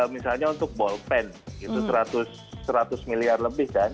misalnya untuk bolpen itu seratus miliar lebih kan